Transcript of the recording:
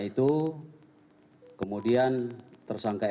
itu kemudian tersangka